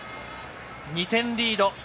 ２点リード。